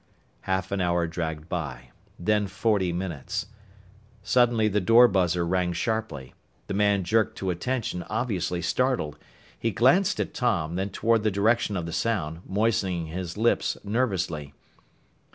Half an hour dragged by then forty minutes. Suddenly the door buzzer rang sharply. The man jerked to attention, obviously startled. He glanced at Tom, then toward the direction of the sound, moistening his lips nervously.